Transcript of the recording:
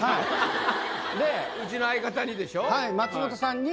うちの相方にでしょ。